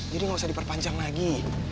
jadi gak usah diperpanjang lagi